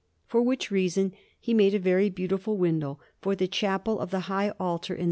For which reason he made a very beautiful window for the Chapel of the High altar in S.